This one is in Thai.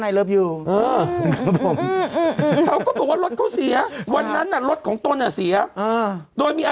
แล้วพอขึ้นโทษรถหายพอดี